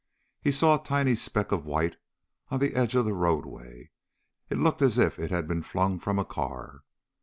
He saw a tiny speck of white on the edge of the roadway. It looked as if it had been flung from a car.